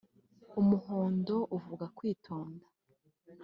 umuhondo uvuga kwitonda